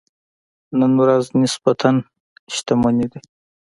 نن ورځ نسبتاً شتمنې دي.